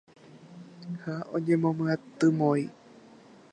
Ha oñemyatymói.